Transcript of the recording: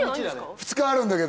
２日あるんだけど。